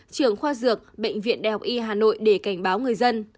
trưởng khoa dược bệnh viện đại học y hà nội để cảnh báo người dân